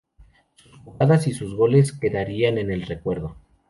Sus jugadas y sus goles quedarían en el recuerdo.